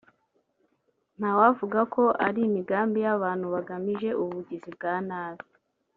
ntawavuga ko ari imigambi y’abantu bagamije ubugizi bwa nabi